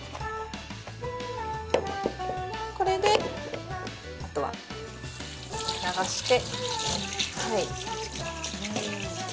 これであとは流して。